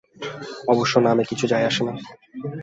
অবশ্য নামে কিছু যায়-আসে না।